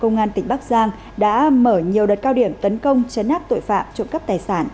giang đã mở nhiều đợt cao điểm tấn công chấn áp tội phạm trộm cắp tài sản